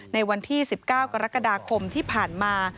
ในวันที่๑๙กรกฎาคมที่ผ่านมา